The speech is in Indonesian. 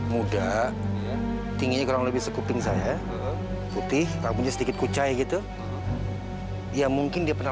muda tinggi kurang lebih sekuping saya putih rambutnya sedikit kucai gitu ya mungkin dia